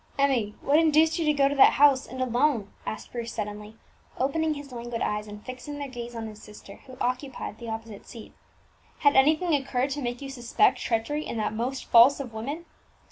"Emmie, what induced you to go to that house, and alone?" asked Bruce suddenly, opening his languid eyes, and fixing their gaze on his sister, who occupied the opposite seat. "Had anything occurred to make you suspect treachery in that most false of women?"